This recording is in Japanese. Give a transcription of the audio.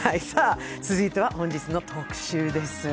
続いては、本日の特集です。